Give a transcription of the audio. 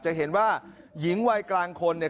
จะเห็นว่าหญิงวัยกลางคนเนี่ย